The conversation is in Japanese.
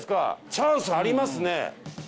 チャンスありますね。